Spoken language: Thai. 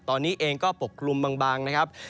ตอนนี้เองก็ปกคลุมบางนะครับ